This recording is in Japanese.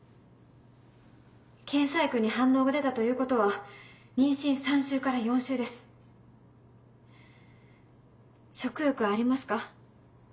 ・検査薬に反応が出たということは妊娠３週から４週です・食欲はありますか？